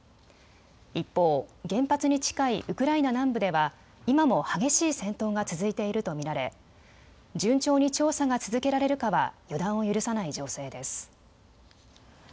一方、原発に近いウクライナ南部では今も激しい戦闘が続いていると見られ、順調に調査が続けられるかは予断を許さない情勢です。